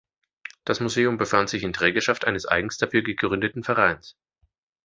Das Museum befand sich in Trägerschaft eines eigens dafür gegründeten Vereins.